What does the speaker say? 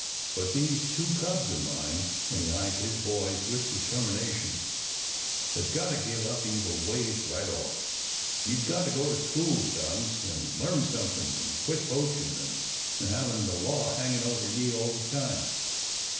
But these two cubs o' mine," and he eyed his boys with determination, "has got to give up evil ways right off. Ye've got to go to school, sons, an' learn somethin', an' quit poachin', an' hevin' the law hangin' over ye all the time."